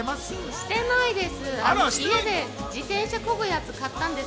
してないです。